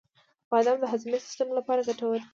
• بادام د هاضمې سیسټم لپاره ګټور دي.